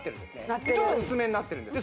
こちらは薄めになってるんです